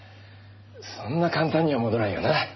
そんな簡単には戻らんよな。